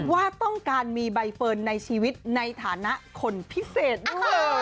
ว่าต้องการมีใบเฟิร์นในชีวิตในฐานะคนพิเศษด้วย